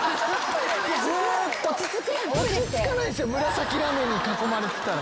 紫ラメに囲まれてたら。